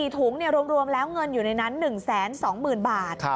๔ถุงรวมแล้วเงินอยู่ในนั้น๑๒๐๐๐บาท